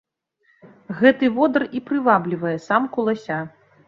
Гэты водар і прываблівае самку лася.